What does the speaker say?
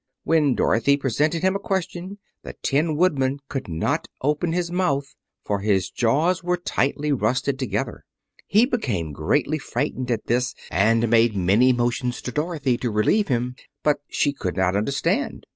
When Dorothy presently asked him a question the Tin Woodman could not open his mouth, for his jaws were tightly rusted together. He became greatly frightened at this and made many motions to Dorothy to relieve him, but she could not understand.